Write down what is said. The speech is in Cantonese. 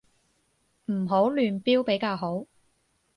唔好亂標比較好